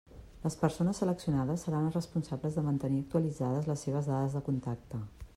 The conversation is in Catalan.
Les persones seleccionades seran les responsables de mantenir actualitzades les seves dades de contacte.